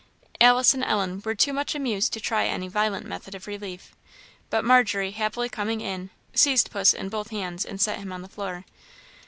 Alice and Ellen were too much amused to try any violent method of relief, but Margery happily coming in, seized puss in both hands and set him on the floor.